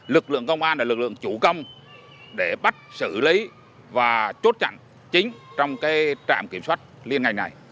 lực lượng công an là lực lượng chủ công để bắt xử lý và chốt chặn chính trong trạm kiểm soát liên ngành này